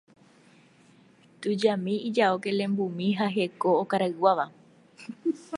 Tujami ijao kelembumi ha heko okarayguáva.